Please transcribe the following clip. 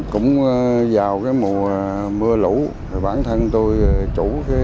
cũng vào mùa mưa lũ bản thân tôi chủ